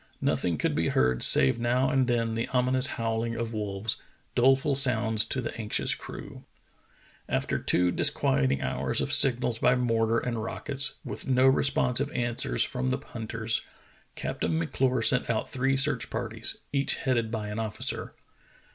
Nothing could be heard save now and then the ominous howl ing of wolves, doleful sounds to the anxious crew. After two disquieting hours of signals by mortar and rockets, with no responsive answers from the hunters. Captain M'Clure sent out three search parties, each headed by an officer.